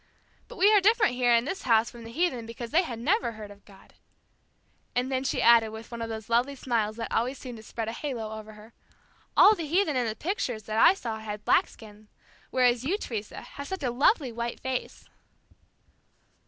But we are different here in this house from the heathen because they had never heard of God." And then she added with one of those lovely smiles that always seemed to spread a halo over her, "All the heathen in the pictures that I saw had black skins, whereas you, Teresa, have such a lovely white face."